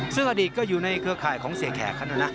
เสื้ออดีตก็อยู่ในเครือข่ายของเสียแขกครับนู่นนะ